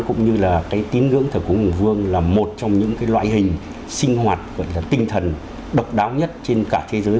cũng như là cái tín ngưỡng thờ cúng hùng vương là một trong những loại hình sinh hoạt gọi là tinh thần độc đáo nhất trên cả thế giới